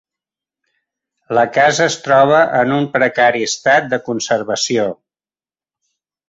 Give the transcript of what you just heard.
La casa es troba en un precari estat de conservació.